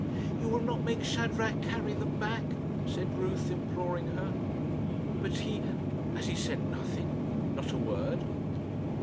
"You will not make Shadrach carry them back?" said Ruth, imploring her. "But he has he sent nothing? not a word?"